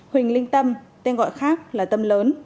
huỳnh linh tâm tên gọi khác là tâm lớn